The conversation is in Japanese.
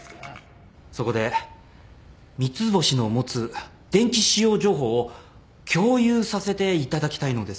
そこで三ツ星の持つ電気使用情報を共有させていただきたいのですが。